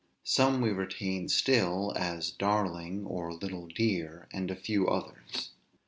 Some we retain still, as darling (or little dear), and a few others.